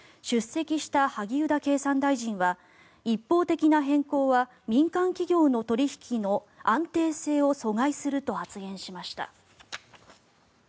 出席した萩生田経産大臣は一方的な変更は民間企業の取引の安定性を阻害すると発言しました。